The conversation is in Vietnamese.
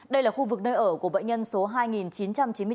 đây là khu vực nơi ở của bệnh nhân số hai chín trăm chín mươi chín